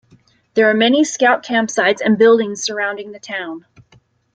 There are many scout campsites and buildings surrounding the town.